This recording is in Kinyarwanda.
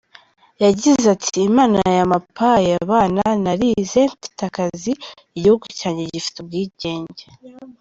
Yagize ati “Imana yamapaye abana, narize, mfite akazi, iguhugu cyanjye gifite ubwigenge”.